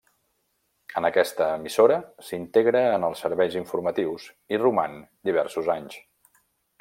En aquesta emissora s'integra en els serveis informatius, i roman diversos anys.